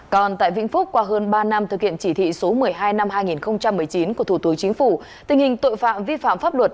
còn tại vĩnh phúc qua hơn ba năm thực hiện chỉ thị số một mươi hai năm hai nghìn một mươi chín của thủ tướng chính phủ tình hình tội phạm vi phạm pháp luật